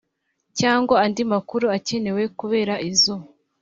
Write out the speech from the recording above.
Cyangwa andi makuru akenewe kubera izo